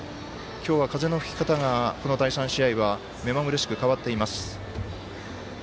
今日は風の吹き方がこの第３試合は目まぐるしく変わっています。